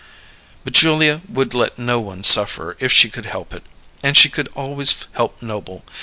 But Julia would let no one suffer if she could help it; and she could always help Noble.